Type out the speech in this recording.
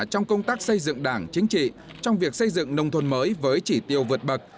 trong công tác xây dựng đảng chính trị trong việc xây dựng nông thôn mới với chỉ tiêu vượt bậc